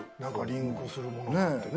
リンクするものがあってね。